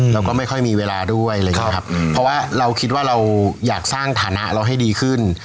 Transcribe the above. เราก็ไม่ค่อยมีเวลาด้วยเพราะว่าเราคิดว่าเราอยากสร้างฐานะเราให้ดีขึ้น